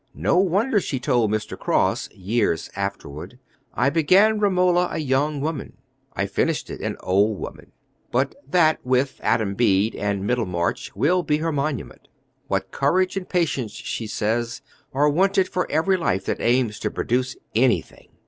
No wonder she told Mr. Cross, years afterward, "I began Romola a young woman, I finished it an old woman"; but that, with Adam Bede and Middlemarch, will be her monument. "What courage and patience," she says, "are wanted for every life that aims to produce anything!"